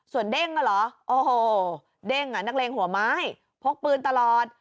ส่วนเด้งอ่ะเหรอโอ้โหเด้งอ่ะนักเลงหัวไม้พกปืนตลอด